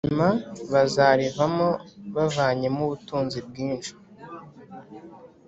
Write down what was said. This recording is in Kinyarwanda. ubwa nyuma bazarivamo, bavanyemo ubutunzi bwinshi